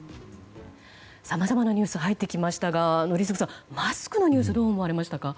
さまざまなニュースが入ってきましたが、宣嗣さんマスクのニュースどう思われましたか。